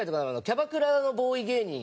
キャバクラのボーイ芸人。